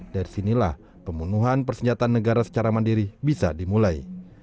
dari sinilah pembunuhan persenjataan negara secara mandiri bisa dimulai